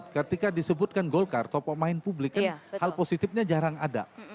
ketika disebutkan golkar topok main publik kan hal positifnya jarang ada